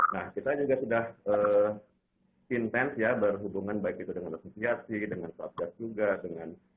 nah kita juga sudah intense berhubungan baik itu dengan asosiasi dengan swabsat juga dengan